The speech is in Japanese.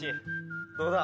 「どうだ？